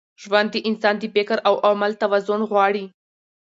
ژوند د انسان د فکر او عمل توازن غواړي.